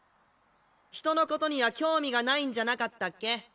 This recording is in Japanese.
人のことには興味がないんじゃなかったっけ？